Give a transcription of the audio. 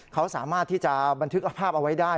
เขาสามารถที่จะบันทึกภาพเอาไว้ได้